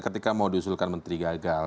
ketika mau diusulkan menteri gagal